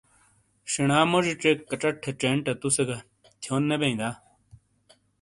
شینا موجی چیک کچٹ تھے چینڈ تا تُو سے گہ، تھیون نے بیئں دا؟